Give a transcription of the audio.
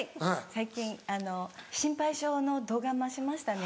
最近心配性の度が増しましたね。